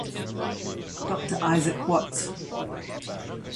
Doctor Isaac Watts.